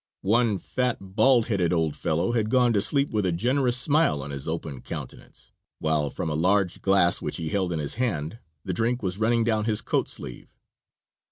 One fat, bald headed old fellow had gone to sleep with a generous smile on his open countenance, while from a large glass which he held in his hand the drink was running down his coat sleeve.